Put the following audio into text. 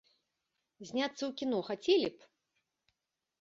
Зняцца ў кіно хацелі б???